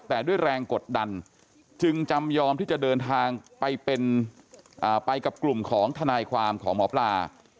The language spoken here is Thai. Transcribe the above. แต่ด้วยแรงกดดันจึงจำยอมที่จะเดินทางไปเป็นไปกับกลุ่มของทนายความของหมอปลา